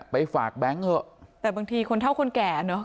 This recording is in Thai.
ไปฝากแบงค์เถอะแต่บางทีคนเท่าคนแก่เนอะ